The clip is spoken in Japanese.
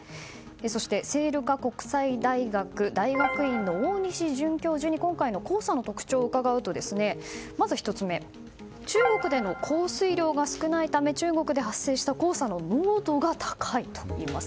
そして聖路加国際大学大学院の大西准教授に今回の黄砂の特徴を伺うとまず１つ目中国での降水量が少ないため中国で発生した黄砂の濃度が高いといいます。